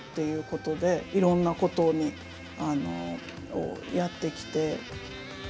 いうことでいろんなことをやってきて。